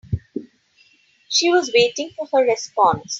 She was waiting for her response.